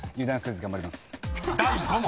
［第５問］